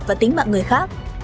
và tính mạng người khác